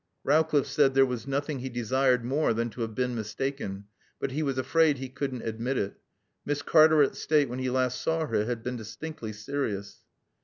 Rowcliffe said there was nothing he desired more than to have been mistaken, but he was afraid he couldn't admit it. Miss Cartaret's state, when he last saw her, had been distinctly serious.